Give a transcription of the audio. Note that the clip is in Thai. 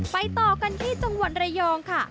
ต่อกันที่จังหวัดระยองค่ะ